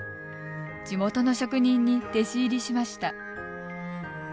地元の職人に弟子入りしました。